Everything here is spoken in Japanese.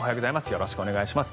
よろしくお願いします。